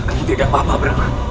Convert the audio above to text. aku tidak apa apa